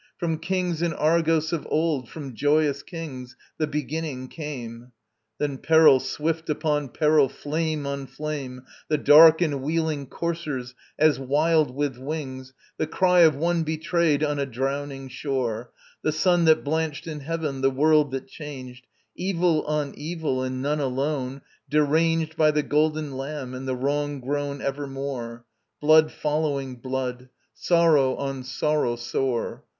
From kings in Argos of old, from joyous kings, The beginning came: Then peril swift upon peril, flame on flame: The dark and wheeling coursers, as wild with wings, The cry of one betrayed on a drowning shore, The sun that blanched in heaven, the world that changed Evil on evil and none alone! deranged By the Golden Lamb and the wrong grown ever more; Blood following blood, sorrow on sorrow sore!